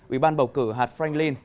ủy ban bầu cử hạt franklin